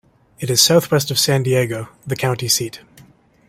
It is southwest of San Diego, the county seat.